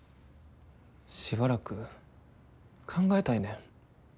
しばらく考えたいねん。